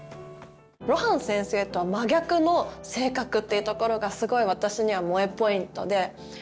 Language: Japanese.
露伴先生とは真逆の性格っていうところがすごい私には萌えポイントで。